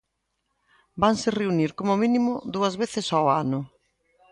Vanse reunir como mínimo dúas veces ao ano.